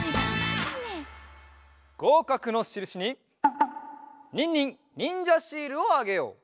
ごうかくのしるしにニンニンにんじゃシールをあげよう！